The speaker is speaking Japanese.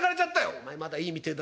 「お前まだいいみてえだぞ。